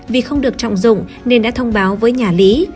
vì không được trọng dụng nên đã thông báo với nhà lý